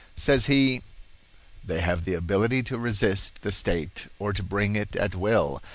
Says he: "They have the ability to resist the state or to bring it at will.